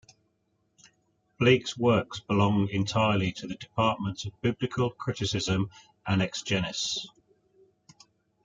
Bleek's works belong entirely to the departments of Biblical criticism and exegesis.